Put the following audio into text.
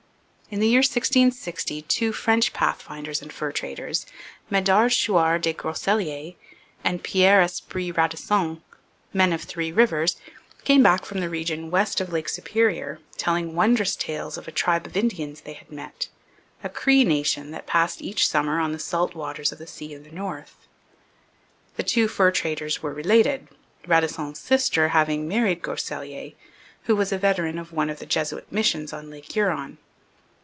In the year 1660 two French pathfinders and fur traders, Medard Chouart des Groseilliers and Pierre Esprit Radisson, men of Three Rivers, came back from the region west of Lake Superior telling wondrous tales of a tribe of Indians they had met a Cree nation that passed each summer on the salt waters of the Sea of the North. The two fur traders were related, Radisson's sister having married Groseilliers, who was a veteran of one of the Jesuit missions on Lake Huron.